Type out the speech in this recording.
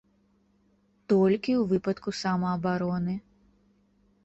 Толькі ў выпадку самаабароны.